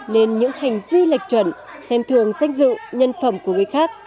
nên những hành vi lệch chuẩn xem thường danh dự nhân phẩm của người khác